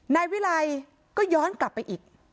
นายวิไลก็ย้อนกลับไปอีก